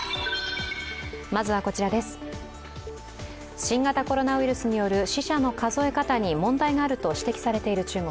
新型コロナウイルスによる死者の数え方に問題があると指摘されている中国。